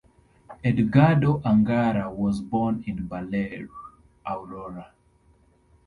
Edgardo Angara was born in Baler, Aurora.